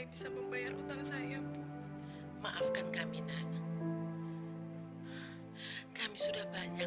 tapi abang gak lebih baik daripada dia